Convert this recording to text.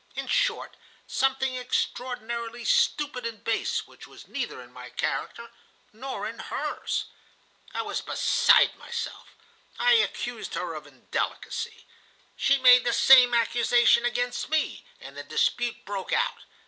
In short, something extraordinarily stupid and base, which was neither in my character nor in hers. "I was beside myself. I accused her of indelicacy. She made the same accusation against me, and the dispute broke out.